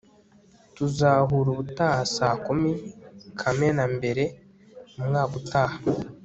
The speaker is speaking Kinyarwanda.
tuzahura ubutaha saa kumi, kamena mbere, umwaka utaha